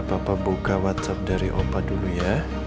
bapak buka whatsapp dari opa dulu ya